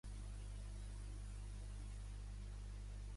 Wheaton es troba al llarg del riu Mustinka.